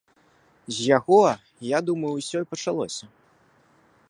З яго, я думаю, усё і пачалося.